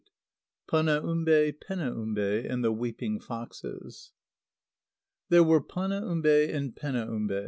Panaumbe, Penaumbe, and the Weeping Foxes. There were Panaumbe and Penaumbe.